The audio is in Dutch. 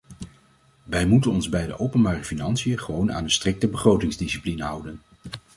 Wij moeten ons bij de openbare financiën gewoon aan een strikte begrotingsdiscipline houden.